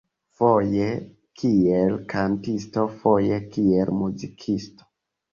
Foje kiel kantisto foje kiel muzikisto.